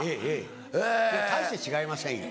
ええええ大して違いませんよ。